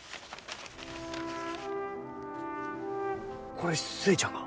これ寿恵ちゃんが？